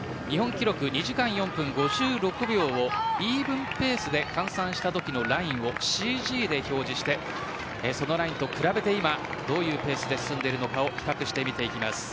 ２時間４分５６秒をイーブンペースで換算したときのラインをＣＧで表示してそれと比べて今どういうペースで進んでいるか比較します。